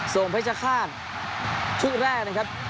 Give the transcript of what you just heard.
เพชรฆาตชุดแรกนะครับ